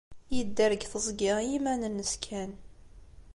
Yedder deg teẓgi i yiman-nnes kan.